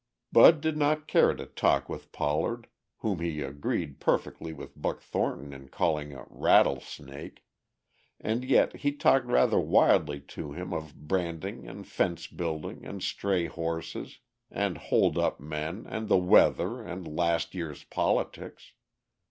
Bud did not care to talk with Pollard, whom he agreed perfectly with Buck Thornton in calling a rattlesnake, and yet he talked rather wildly to him of branding and fence building and stray horses and hold up men and the weather and last year's politics.